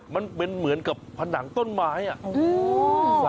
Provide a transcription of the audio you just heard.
มันเป็นเหมือนกับผนังต้นไม้อ่ะ